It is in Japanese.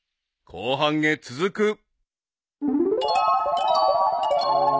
［後半へ続く］